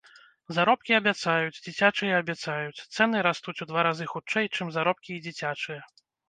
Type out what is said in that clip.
Заробкі абяцаюць, дзіцячыя абяцаюць, цэны растуць у два разы хутчэй, чым заробкі і дзіцячыя.